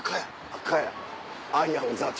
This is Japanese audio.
赤やアイアム座長。